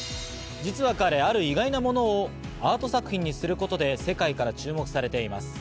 実は彼、ある意外なものをアート作品にすることで世界から注目されています。